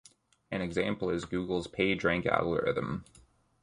An example is Google's PageRank algorithm.